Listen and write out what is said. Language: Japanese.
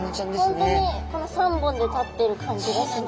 本当にこの３本で立ってる感じがしますね。